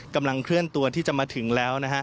กำลังเคลื่อนตัวที่จะมาถึงแล้วนะฮะ